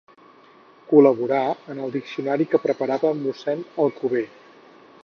Col·laborà en el diccionari que preparava Mossèn Alcover.